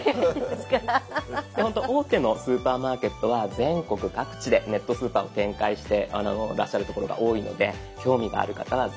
ほんと大手のスーパーマーケットは全国各地でネットスーパーを展開してらっしゃるところが多いので興味がある方はぜひお試し下さい。